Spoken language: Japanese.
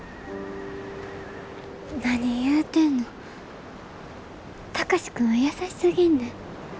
何言うてんの貴司君は優しすぎんねん。